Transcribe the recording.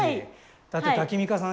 だってタキミカさん